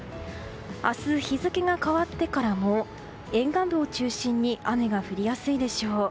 明日、日付が変わってからも沿岸部を中心に雨が降りやすいでしょう。